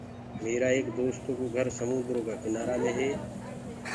ميرآ ايڪ دوستو ڪو گھر سموندرو ڪآ ڪِنآرآ مي هي۔